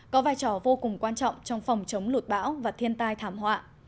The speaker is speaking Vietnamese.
có vai trò vô cùng quan trọng trong phòng chống lụt bão và thiên tai thảm họa